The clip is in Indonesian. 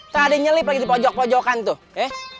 tadi nyelip lagi di pojok pojokan tuh